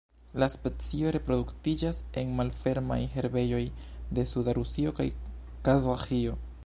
La specio reproduktiĝas en malfermaj herbejoj de suda Rusio kaj Kazaĥio.